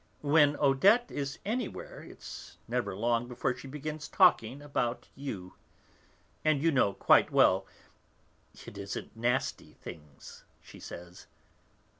When Odette is anywhere it's never long before she begins talking about you. And you know quite well, it isn't nasty things she says.